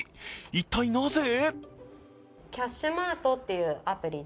一体なぜ？